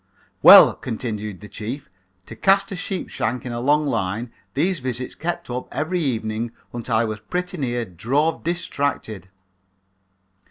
"Well," continued the chief, "to cast a sheep shank in a long line, these visits kept up every evening until I was pretty near drove distracted.